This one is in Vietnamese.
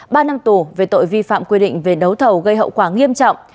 ba năm tù về tội vi phạm quy định về đấu thầu gây hậu quả nghiêm trọng